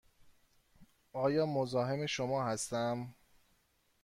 آیا مزاحم شما هستم؟